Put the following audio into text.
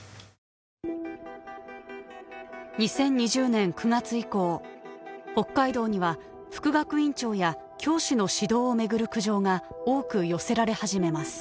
２０２０年９月以降北海道には副学院長や教師の指導を巡る苦情が多く寄せられ始めます。